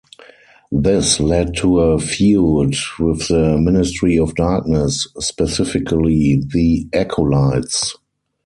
This led to a feud with the Ministry of Darkness, specifically The Acolytes.